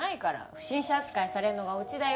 不審者扱いされるのがオチだよ。